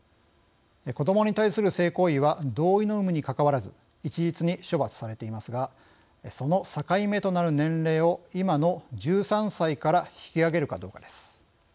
子どもに対する性行為は同意の有無にかかわらず一律に処罰されていますがその境目となる年齢を今の１３歳から引き上げるかどうかです。